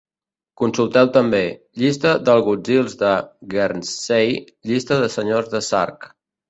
"Consulteu també:" llista d'agutzils de Guernsey, llista de senyors de Sark.